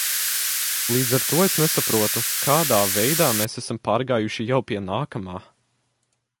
Līdz ar to es nesaprotu, kādā veidā mēs esam pārgājuši jau pie nākamā.